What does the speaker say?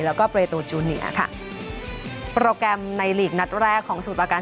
แล้วก็ประตูจูเนียค่ะโปรแกรมในหลีกนัดแรกของสมุทรประการ